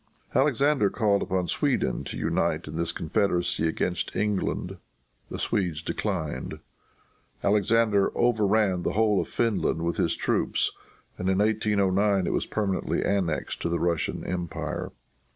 Alexander called upon Sweden to unite in this confederacy against England. The Swedes declined. Alexander overran the whole of Finland with his troops, and in 1809 it was permanently annexed to the Russian empire.